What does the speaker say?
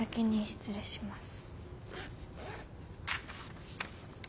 失礼します。